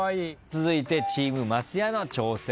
続いてチーム松也の挑戦です。